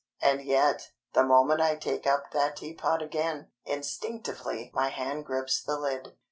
And yet, the moment I take up that teapot again, instinctively my hand grips the lid.